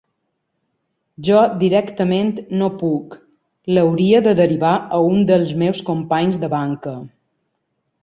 Jo directament no puc, l'hauria de derivar a un dels meus companys de banca.